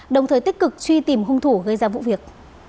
đồng thời tích cực truy tìm hung thủ gây ra vụ việc